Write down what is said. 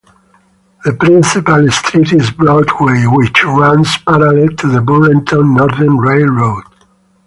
The principal street is Broadway, which runs parallel to the Burlington Northern Railroad.